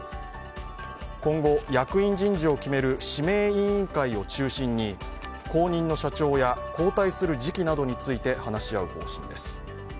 今後、役員人事を決める指名委員会を中心に後任の社長や交代する時期などについて話し合う方針です。